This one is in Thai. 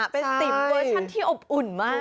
เป็นติมเวอร์ชันที่อบอุ่นมาก